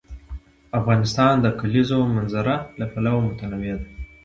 افغانستان د د کلیزو منظره له پلوه متنوع دی.